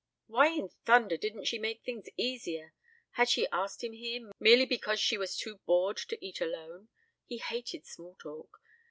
Why in thunder didn't she make things easier? Had she asked him here merely because she was too bored to eat alone? He hated small talk.